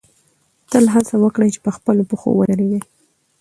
تل هڅه وکړئ چې په خپلو پښو ودرېږئ.